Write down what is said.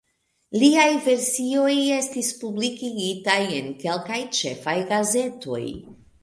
Liaj versoj estis publikigitaj en kelkaj ĉefaj gazetoj.